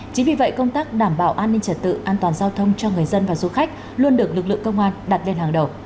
chính vì vậy công tác đảm bảo an ninh trật tự an toàn giao thông cho người dân và du khách luôn được lực lượng công an đặt lên hàng đầu